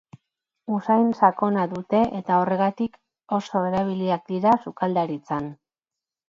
Usain sakona dute eta horregatik oso erabiliak dira sukaldaritzan.